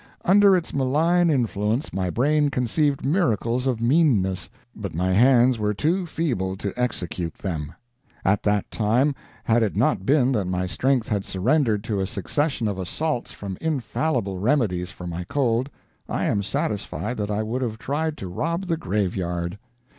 Under its malign influence my brain conceived miracles of meanness, but my hands were too feeble to execute them; at that time, had it not been that my strength had surrendered to a succession of assaults from infallible remedies for my cold, I am satisfied that I would have tried to rob the graveyard.